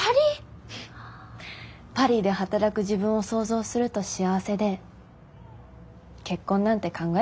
パリで働く自分を想像すると幸せで結婚なんて考えもしなかった。